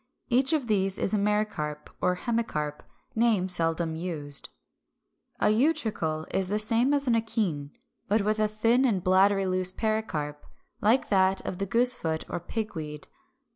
Each of these is a Mericarp or Hemicarp, names seldom used. 362. =A Utricle= is the same as an akene, but with a thin and bladdery loose pericarp; like that of the Goosefoot or Pigweed (Fig.